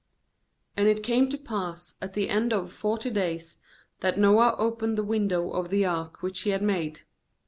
6And it came to pass at the end of forty days, that Noah opened the window of the ark which he had made.